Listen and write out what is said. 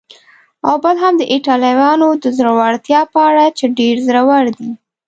او بل هم د ایټالویانو د زړورتیا په اړه چې ډېر زړور دي.